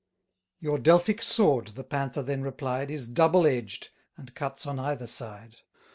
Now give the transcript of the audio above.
190 Your Delphic sword, the Panther then replied, Is double edged, and cuts on either side.